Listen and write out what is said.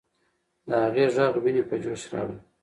د هغې ږغ ويني په جوش راوړي.